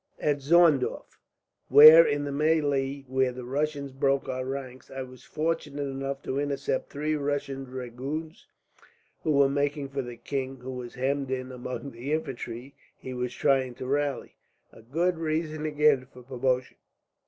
"At Zorndorf where, in the melee, when the Russians broke our ranks, I was fortunate enough to intercept three Russian dragoons who were making for the king, who was hemmed in among the infantry he was trying to rally." "A good reason, again, for promotion.